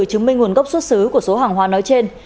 chứng minh nguồn gốc xuất xứ của số hàng hóa nói trên